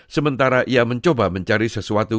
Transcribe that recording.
sementara ia mencoba mencari sesuatu